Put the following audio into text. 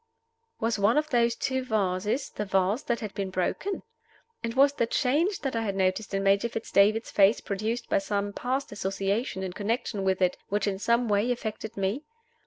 Was one of those two vases the vase that had been broken? And was the change that I had noticed in Major Fitz David's face produced by some past association in connection with it, which in some way affected me?